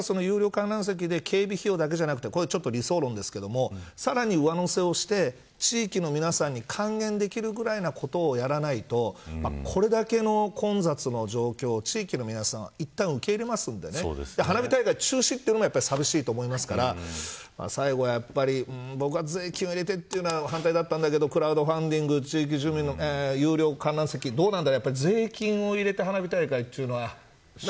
だから僕は有料観覧席で警備費用だけじゃなくて理想論ですけどさらに上乗せをして地域の皆さんに還元できるぐらいのことをやらないとこれだけの混雑の状況を地域の皆さんはいったん受け入れますので花火大会中止というのもまた寂しいと思いますから最後はやっぱり僕は税金を入れてというのは反対だったんだけどクラウドファンディング有料観覧席、どうなんだ。